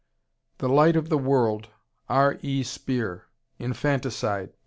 The Light of the World, R. E. Speer, Infanticide, pp.